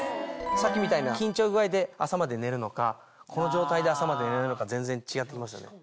さっきみたいな緊張具合で朝まで寝るのかこの状態で朝まで寝るのか全然違って来ますよね。